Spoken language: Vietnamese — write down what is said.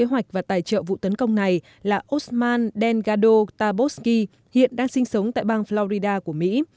lên kế hoạch và tài trợ vụ tấn công này là osman delgado tabotsky hiện đang sinh sống tại bang florida của mỹ